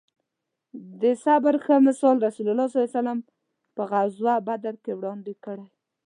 د صبر ښه مثال رسول الله ص په غزوه بدر کې وړاندې کړی